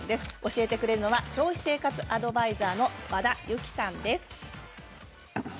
教えてくれるのは消費生活アドバイザーの和田由貴さんです。